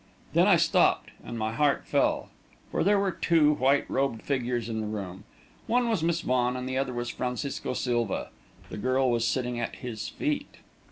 Then I stopped, and my heart fell. For there were two white robed figures in the room. One was Miss Vaughan and the other was Francisco Silva. The girl was sitting at his feet.